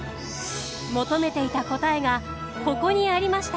求めていた答えがここにありました。